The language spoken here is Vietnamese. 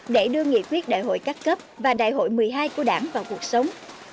để đưa nghị quyết đại hội các cấp và đại hội một mươi hai của đảng vào cuộc sống